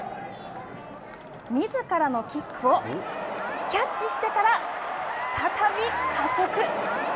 みずからのキックをキャッチしてから再び加速。